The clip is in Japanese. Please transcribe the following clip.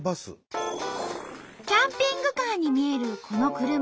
キャンピングカーに見えるこの車。